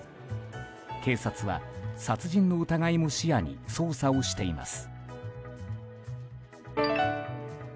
警察は殺人の疑いも視野に捜査をしています。